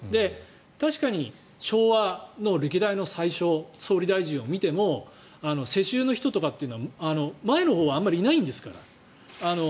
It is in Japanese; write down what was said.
確かに昭和の歴代の総理大臣を見ても世襲の人とかは前のほうはあまりいないんですから。